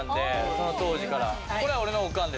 その当時から。